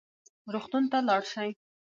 روغتون ته لاړ شئ